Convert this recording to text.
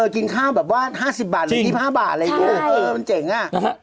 กินข้าวแบบว่า๕๐บาทหรือ๒๕บาทอะไรอย่างนี้มันเจ๋งอ่ะ